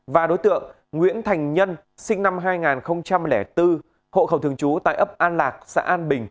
và đối tượng nguyễn thành nhân sinh năm hai nghìn bốn hộ khẩu thường trú tại ấp an lạc xã an bình